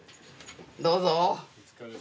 どうぞ！